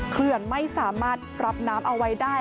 เขื่อนไม่สามารถรับน้ำเอาไว้ได้